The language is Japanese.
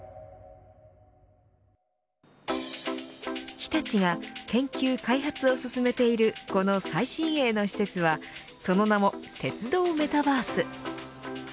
日立が研究、開発を進めているこの最新鋭の施設はその名も、鉄道メタバース。